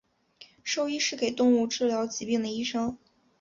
兽医是给动物治疗疾病的医生。